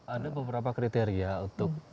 ada beberapa kriteria untuk